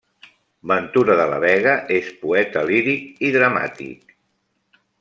Ventura de la Vega és poeta líric i dramàtic.